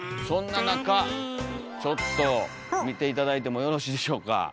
そんな中ちょっと見て頂いてもよろしいでしょうか？